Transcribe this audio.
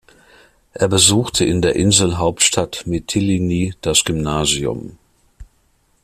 Er besuchte in der Inselhauptstadt Mytilini das Gymnasium.